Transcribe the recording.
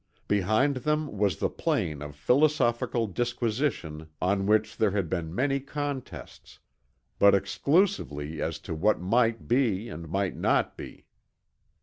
Behind them was the plain of philosophical disquisition on which there had been many contests, but exclusively as to what might be and might not be.